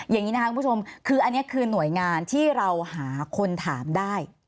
อย่างนี้นะคะคุณผู้ชมคืออันนี้คือหน่วยงานที่เราหาคนถามได้